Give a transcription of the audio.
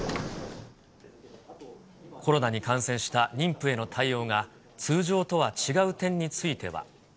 コロナに感染した妊婦への対応が通常とは違う点については。